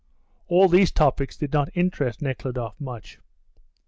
All these topics did not interest Nekhludoff much.